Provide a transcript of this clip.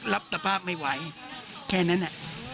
รับสภาพไม่ไหวแค่นั้น